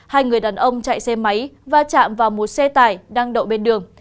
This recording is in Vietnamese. hai người đàn ông chạy xe máy va chạm vào một xe tải đang đậu bên đường